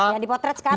yang dipotret sekarang